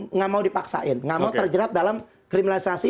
enggak mau dipaksain enggak mau terjerat dalam kriminalisasi